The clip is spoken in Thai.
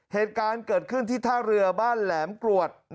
เหตุการณ์เกิดขึ้นที่ท่าเรือบ้านแหลมกรวด